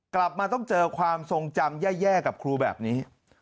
กลับมาต้องเจอความทรงจำแย่กับครูแบบนี้